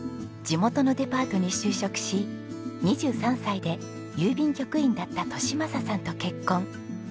地元のデパートに就職し２３歳で郵便局員だった利正さんと結婚。